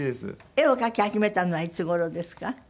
絵を描き始めたのはいつ頃ですか？